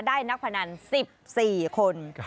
ได้นักพนัน๑๔คน